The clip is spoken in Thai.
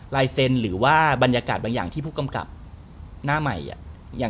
ลายเซ็นต์หรือว่าบรรยากาศบางอย่างที่ผู้กำกับหน้าใหม่อย่าง